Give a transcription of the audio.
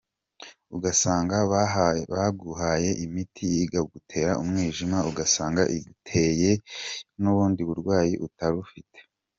Ugasanga baguhaye imiti ikagutera umwijima, ugasanga iguteye n’ubundi burwayi utari ufite.